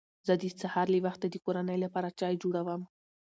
زه د سهار له وخته د کورنۍ لپاره چای جوړوم